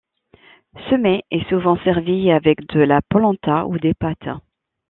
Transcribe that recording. Ce mets est souvent servi avec de la polenta ou des pâtes.